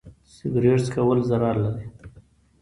سګرټ څکول ضرر لري.